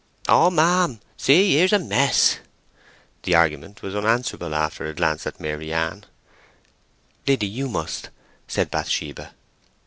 "Oh ma'am—see, here's a mess!" The argument was unanswerable after a glance at Maryann. "Liddy—you must," said Bathsheba.